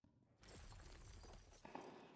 唐军兵至大非川。